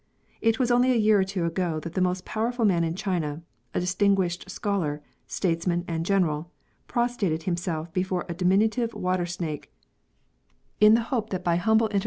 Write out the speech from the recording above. It was only a year or two ago that the most powerful man in China, a distinguished scholar, states man, and general, prostrated himself before a diminu tive water snake, in the hope that by humble inter SUPERSTITION.